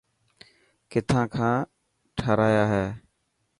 ڪٿان کان ٺاهرايا هي.